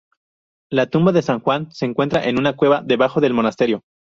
La tumba de San Juan se encuentra en una cueva debajo del monasterio.